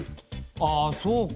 ああそうか。